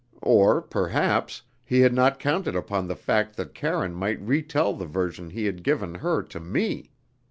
Or, perhaps, he had not counted upon the fact that Karine might retell the version he had given her to me.